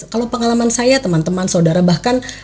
kalau pengalaman saya teman teman saudara bahkan